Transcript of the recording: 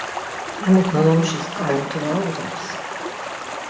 Emuk nanamuşis ǩai mutu var oğodaps.